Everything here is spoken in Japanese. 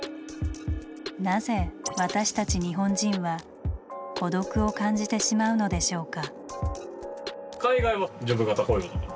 なぜ私たち日本人は「孤独」を感じてしまうのでしょうか？